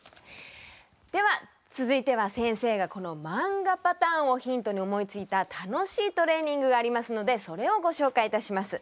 では続いては先生がこの漫画パターンをヒントに思いついた楽しいトレーニングがありますのでそれをご紹介いたします。